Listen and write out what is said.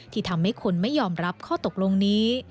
ที่ทำให้คนไม่ยอมรับข้อตกลงนี้